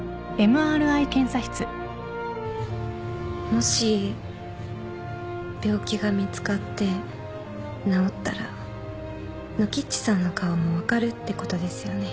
もし病気が見つかって治ったらノキッチさんの顔も分かるってことですよね。